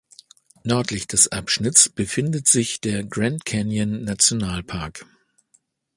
Nördlich des Abschnitts befindet sich der Grand-Canyon-Nationalpark.